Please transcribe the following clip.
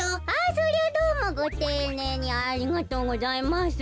そりゃどうもごていねいにありがとうございます。